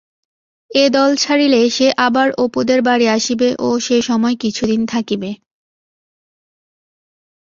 এ দল ছাড়িলে সে আবার অপুদের বাড়ি আসিবে ও সে সময় কিছুদিন থাকিবে।